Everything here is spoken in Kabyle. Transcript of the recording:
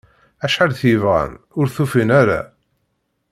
Acḥal t- yebɣan, ur tufin-ara.